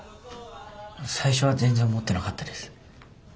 最初は全然思ってなかったです。